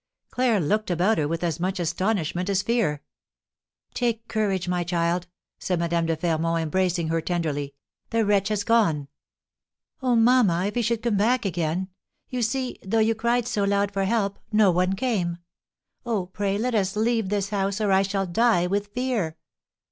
Claire looked about her with as much astonishment as fear. "Take courage, my child," said Madame de Fermont, embracing her tenderly; "the wretch has gone." "Oh, mamma, if he should come back again! You see, though you cried so loud for help, no one came. Oh, pray let us leave this house, or I shall die with fear!"